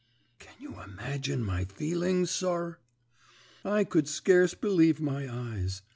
"Can you imagine my feelings, sir? "I could scarce believe my eyes.